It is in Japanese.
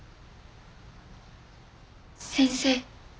先生。